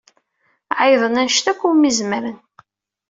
Ɛeyyḍen anect akk umi zemren.